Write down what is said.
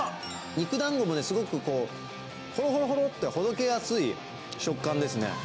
肉だんごもね、すごく、ほろほろほろってほどけやすい食感ですね。